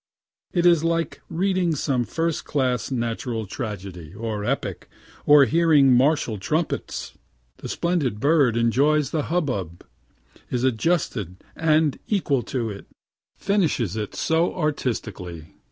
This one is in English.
It is like reading some first class natural tragedy or epic, or hearing martial trumpets. The splendid bird enjoys the hubbub is adjusted and equal to it finishes it so artistically.